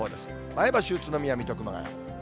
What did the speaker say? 前橋、宇都宮、水戸、熊谷。